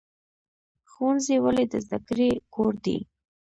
ښوونځی ولې د زده کړې کور دی؟